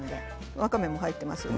わかめも入ってますよね。